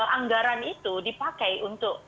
anggaran itu dipakai untuk